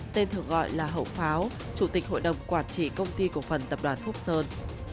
tên thường gọi là hậu pháo chủ tịch hội đồng quản trị công ty cổ phần tập đoàn phúc sơn